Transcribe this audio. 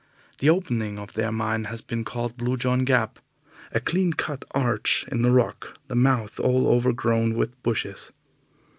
The opening of their mine has been called Blue John Gap, a clean cut arch in the rock, the mouth all overgrown with bushes.